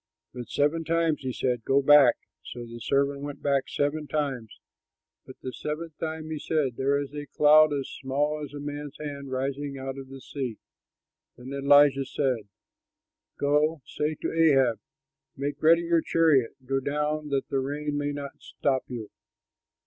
But seven times he said, "Go again." So the servant went back seven times, but the seventh time he said, "There is a cloud as small as a man's hand rising out of the sea." Then Elijah said, "Go, say to Ahab, 'Make ready your chariot; go down, that the rain may not stop you.'"